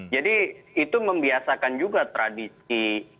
jadi itu membiasakan juga tradisi